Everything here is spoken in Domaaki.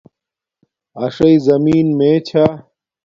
اݽݵ زمین میے چھا